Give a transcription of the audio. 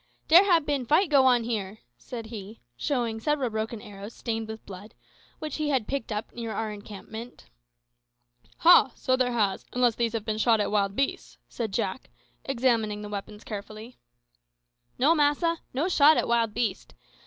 "Dere hab bin fight go on here," said he, showing several broken arrows, stained with blood, which he had picked up near our encampment. "Ha! so there has, unless these have been shot at wild beasts," said Jack, examining the weapons carefully. "No, massa; no shot at wild beast.